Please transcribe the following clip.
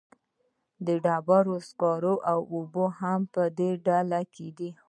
د ډبرو سکاره او اوبه هم په دې ډله کې دي.